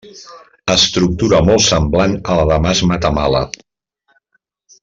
Estructura molt semblant a la de mas Matamala.